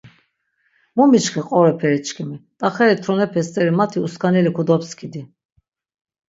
Mu miçkin qoroperi çkimi, t̆axeri tronepe steri mati uskaneli kodopskidi.